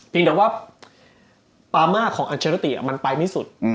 แต่ว่าปามาของอัลเชอร์ติมันไปไม่สุด